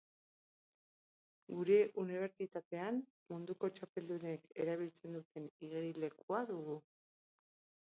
Gure unibertsitatean munduko txapeldunek erabiltzen duten igerilekua dugu.